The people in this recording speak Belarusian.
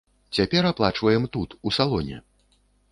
Цяпер аплачваем тут, у салоне!